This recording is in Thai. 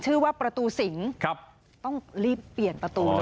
ชื่อว่าประตูสิงต้องรีบเปลี่ยนประตู